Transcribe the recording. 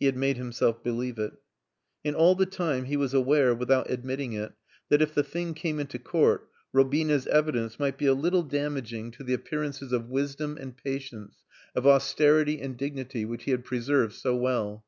He had made himself believe it. And all the time he was aware, without admitting it, that, if the thing came into court, Robina's evidence might be a little damaging to the appearances of wisdom and patience, of austerity and dignity, which he had preserved so well.